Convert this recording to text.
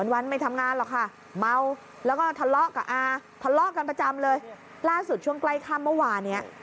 วันไม่ทำงานหรอกค่ะเมา